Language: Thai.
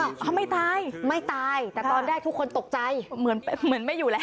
เขาไม่ตายไม่ตายแต่ตอนแรกทุกคนตกใจเหมือนเหมือนไม่อยู่แล้ว